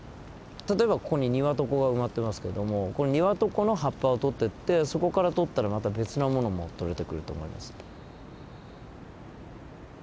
例えばここにニワトコが埋まってますけどもニワトコの葉っぱをとってってそこからとったらまた別なものもとれてくると思います。